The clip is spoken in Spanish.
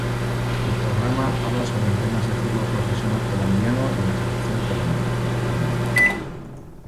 El programa habla sobre temas del fútbol profesional colombiano y la Selección Colombia, principalmente.